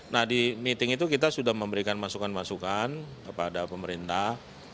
nah di meeting itu kita sudah memberikan masukan masukan kepada pemerintah